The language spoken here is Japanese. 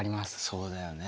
そうだよね。